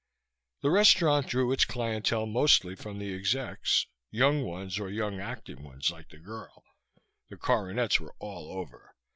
The restaurant drew its clientele mostly from the execs, young ones or young acting ones, like the girl. The coronets were all over.